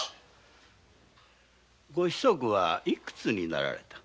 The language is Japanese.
御子息は幾つになられた？